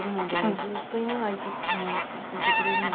ずっと犬がいてずっといてくれるので。